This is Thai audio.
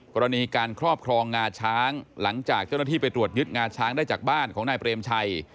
กรณีการครอบครองงาช้างหลังจากเจ้าหน้าที่ไปตรวจยึดงาช้างได้จากบ้านของนายเปรมชัย